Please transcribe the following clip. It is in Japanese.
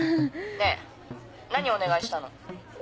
ねぇ何お願いしたの？